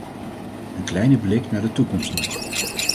Een kleine blik naar de toekomst nog.